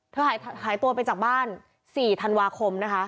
เธอหายตัวไปจากบ้าน๔ธันวาคม